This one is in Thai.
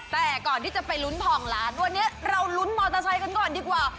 แต่ก่อนที่จะไปลุ้นทองล้านวันนี้เราลุ้นมอเตอร์ไซค์กันก่อนดีกว่า